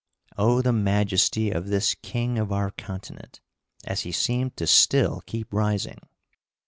Oh, the majesty of this king of our continent, as he seemed to still keep rising!